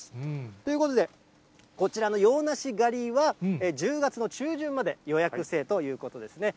ということで、こちら洋梨狩りは、１０月の中旬まで、予約制ということですね。